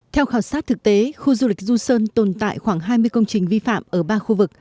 theo khảo sát thực tế khu du lịch du sơn tồn tại khoảng hai mươi công trình vi phạm ở ba khu vực